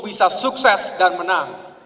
bisa sukses dan menang